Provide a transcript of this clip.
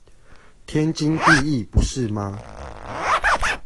天經地義不是嗎？